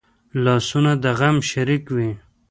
لاسونه د غم شریک وي